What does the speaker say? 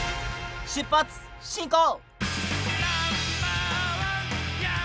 出発進行！